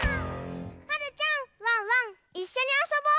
はるちゃんワンワンいっしょにあそぼう！